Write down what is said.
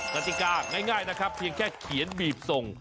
กติกาง่ายนะครับเพียงแค่เขียนบีบส่ง